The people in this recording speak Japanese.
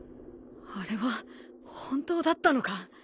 あれは本当だったのか。